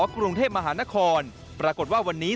กรุงเทพมหานครปรากฏว่าวันนี้